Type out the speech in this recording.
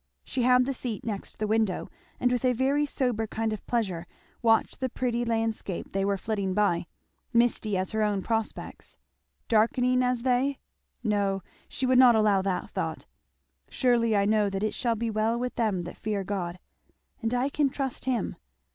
She had the seat next the window, and with a very sober kind of pleasure watched the pretty landscape they were flitting by misty as her own prospects, darkening as they? no, she would not allow that thought. "'Surely I know that it shall be well with them that fear God;' and I can trust him."